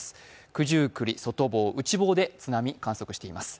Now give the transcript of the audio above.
九十九里、外房、内房で津波を観測しています。